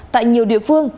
tại nhiều địa phương